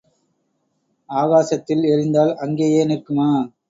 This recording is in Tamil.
ஆகாசத்தில் எறிந்தால் அங்கேயே நிற்குமா?